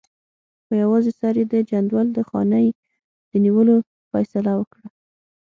په یوازې سر یې د جندول د خانۍ د نیولو فیصله وکړه.